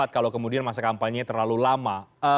kalau kemudian masa kampanye terlalu lama